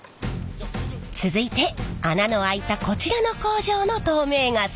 続いて穴の開いたこちらの工場の透明傘。